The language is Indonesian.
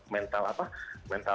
mental apa mental